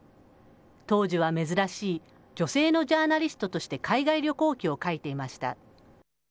当時は珍しい女性のジャーナリストとして海外旅行記を書いていました。